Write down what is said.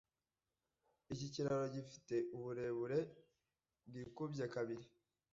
Iki kiraro gifite uburebure bwikubye kabiri.